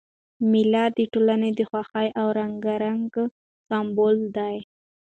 مېله د ټولني د خوښۍ او رنګارنګۍ سېمبول ده.